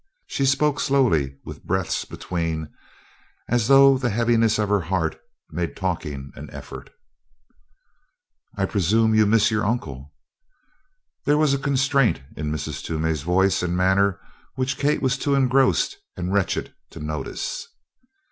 She spoke slowly with breaths between, as though the heaviness of her heart made talking an effort. "I presume you miss your uncle." There was a constraint in Mrs. Toomey's voice and manner which Kate was too engrossed and wretched to notice.